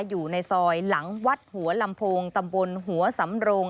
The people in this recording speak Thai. อยู่ในซอยหลังวัดหัวลำโพงตำบลหัวสำรง